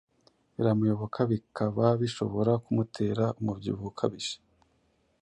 Biramuyoboka bikaba bishobora kumutera umubyibuho ukabije,